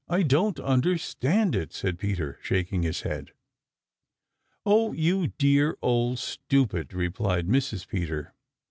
I don't understand it," said Peter, shaking his head. "Oh, you dear old stupid!" replied little Mrs. Peter.